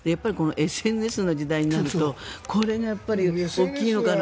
ＳＮＳの時代になるとこれがやっぱり大きいのかなと。